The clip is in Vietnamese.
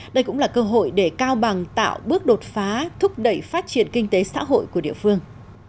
đây cũng là cơ hội để cao bằng tạo bước đột phá thúc đẩy phát triển kinh tế xã hội của địa phương